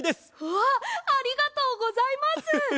わっありがとうございます！